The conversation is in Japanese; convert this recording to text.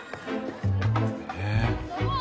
えっ。